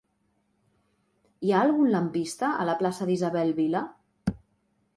Hi ha algun lampista a la plaça d'Isabel Vila?